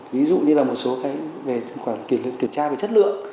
ví dụ như là một số kiểm tra về chất lượng